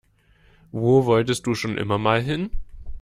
Wo wolltest du schon immer mal hin?